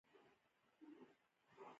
هرات پوهنتون ولې مشهور دی؟